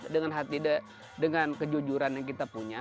dengan hati dengan kejujuran yang kita punya